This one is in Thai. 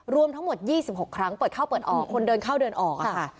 รวมทั้งหมด๒๖ครั้งเปิดเข้าเปิดออกคนเดินเข้าเดินออกค่ะ